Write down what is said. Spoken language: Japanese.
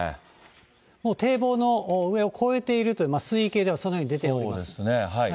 もう堤防の上を越えているという、水位計ではそのように出ていますね。